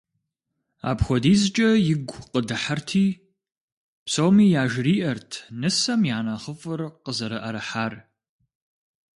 АпхуэдизкӀэ игу къыдыхьэрти, псоми яжриӀэрт нысэм я нэхъыфӀыр къызэрыӀэрыхьар.